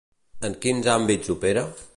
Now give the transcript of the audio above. En quins àmbits opera?